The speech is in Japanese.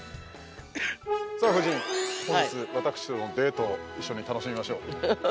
◆さあ、夫人、本日私とのデートを一緒に楽しみましょう。